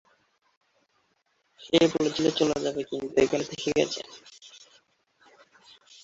পেল Craig Martin উপযুক্ত পরিবেশে আফ্রিকার উত্তরাংশ থেকে মধ্য প্রাচ্য হয়ে আফগানিস্তান এবং পাকিস্তান পর্যন্ত বাস করে।